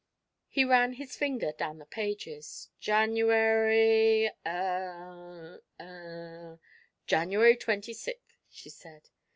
He ran his finger down the pages. "January eh eh " "January twenty sixth," she said.